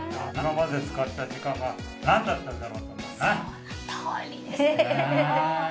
そのとおりですよね。